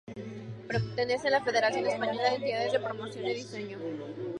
Pertenece a la Federación Española de Entidades de Promoción de Diseño.